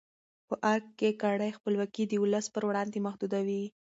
په ارګ کې کړۍ خپلواکي د ولس پر وړاندې محدودوي.